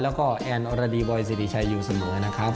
แล้วก็แอนด์อรดีบอยสิริชายูสมมุตินะครับ